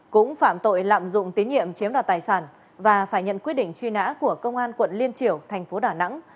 cũng phạm tội lạm dụng tín nhiệm chiếm đoạt tài sản và phải nhận quyết định truy nã của công an quận liên triểu thành phố đà nẵng